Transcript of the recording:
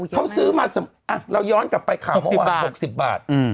เขาซื้อมาเราย้อนกลับไปข่าว๖๐บาท